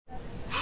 あ！